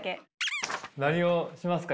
何をしますか？